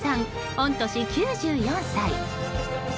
御年９４歳。